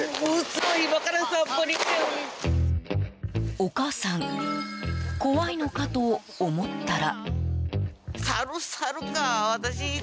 お母さん怖いのかと思ったら。